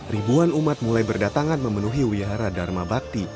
ribuan umat mulai berdatangan memenuhi wihara dharma bakti